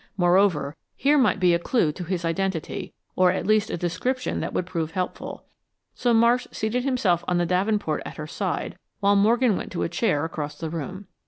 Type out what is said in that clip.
Moreover, here might be a clue to his identity, or at least a description that would prove helpful, so Marsh seated himself on the davenport at her side, while Morgan went to a chair across the room.